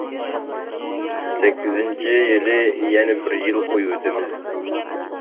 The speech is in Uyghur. سەككىزىنچى يىلى يەنە بىر يىل قۇيۇۋېتىمىز.